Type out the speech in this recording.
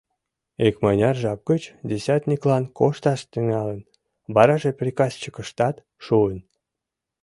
Икмыняр жап гыч десятниклан кошташ тӱҥалын, вараже приказчикышкат шуын.